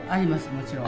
もちろん。